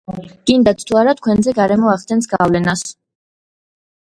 გინდათ თუ არა, თქვენზე გარემო ახდენს გავლენას.